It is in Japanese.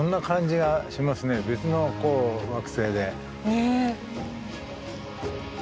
ねえ。